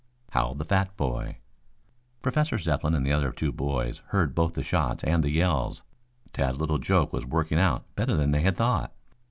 howled the fat boy. Professor Zepplin and the other two boys heard both the shots and the yells. Tad's little joke was working out better than they had thought.